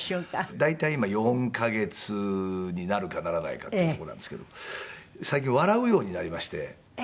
大体今４カ月になるかならないかっていうとこなんですけど最近笑うようになりまして。